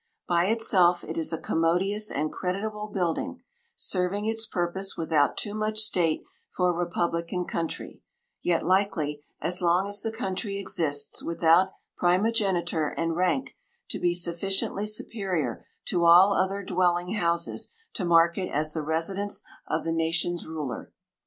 By itself it is a commodious and creditable building, serving its purpose without too much state for a republican country, yet likely, as long as the country exists without primogeniture and rank, to be sufficiently superior to all other dwelling houses to mark it as the residence of the nation's ruler.